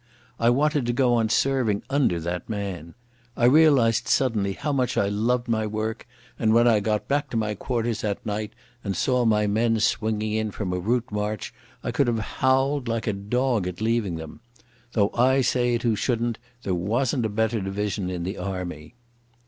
I wanted to go on serving under that man. I realised suddenly how much I loved my work, and when I got back to my quarters that night and saw my men swinging in from a route march I could have howled like a dog at leaving them. Though I say it who shouldn't, there wasn't a better division in the Army.